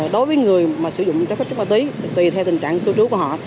đối với người sử dụng trái phép chất ma túy tùy theo tình trạng cư trú của họ